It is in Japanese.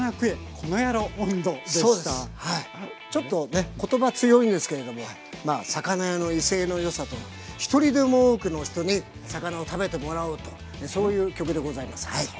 ちょっとね言葉強いんですけれども魚屋の威勢のよさと一人でも多くの人に魚を食べてもらおうというそういう曲でございますはい。